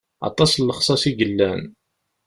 Aṭas n lexṣaṣ i yellan.